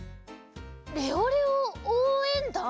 レオレオおうえんだん？